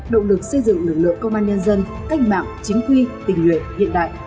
động lực xây dựng lực lượng công an nhân dân cách mạng chính quy tình nguyện hiện đại